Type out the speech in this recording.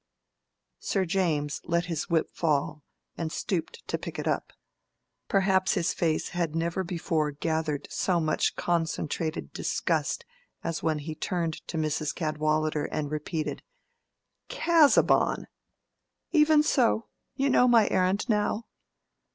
Sir James let his whip fall and stooped to pick it up. Perhaps his face had never before gathered so much concentrated disgust as when he turned to Mrs. Cadwallader and repeated, "Casaubon?" "Even so. You know my errand now."